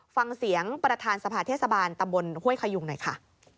ฟังเสียงประธานสภาเทศบาลตำบลห้วยขยุงหน่อยค่ะ